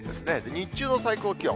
日中の最高気温。